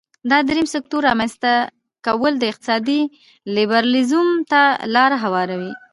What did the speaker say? دا د دریم سکتور رامینځ ته کول د اقتصادي لیبرالیزم ته لار هواروي.